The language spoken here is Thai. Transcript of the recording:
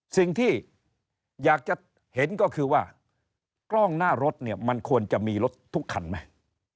สิ่งที่อยากจะเห็นก็คือว่ากล้องหน้ารถเนี่ยมันควรจะมีรถทุกคันไหม